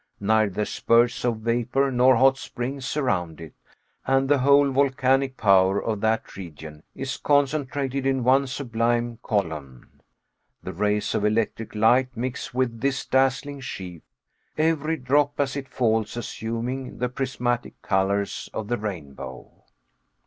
Neither spurts of vapor nor hot springs surround it, and the whole volcanic power of that region is concentrated in one sublime column. The rays of electric light mix with this dazzling sheaf, every drop as it falls assuming the prismatic colors of the rainbow.